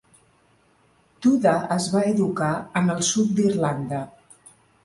Tuda es va educar en el sud d'Irlanda.